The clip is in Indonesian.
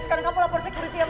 sekarang kamu lapor sekuriti